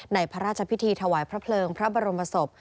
พระราชพิธีถวายพระเพลิงพระบรมศพ